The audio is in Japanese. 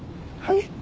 はい？